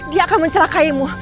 dia akan mencerakai mu